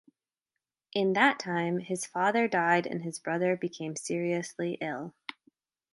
In that time, his father died and his brother became seriously ill.